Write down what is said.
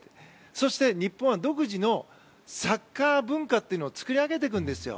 そして日本は独自のサッカー文化を作り上げていくんですよ。